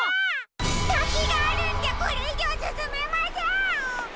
たきがあるんじゃこれいじょうすすめません！